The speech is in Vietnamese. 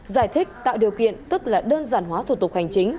giải thích tạo điều kiện tức là đơn giản hóa thủ tục hành chính